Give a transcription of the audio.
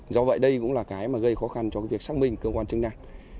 do vậy đây cũng là cái mà gây khó khăn cho việc xác minh cơ quan chứng năng